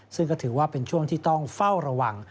ซึ่งก็ถือว่าเป็นช่วงที่ต้องเฝ้าระวัง